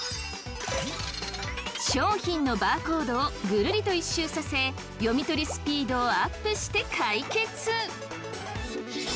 商品のバーコードをぐるりと一周させ読み取りスピードをアップして解決！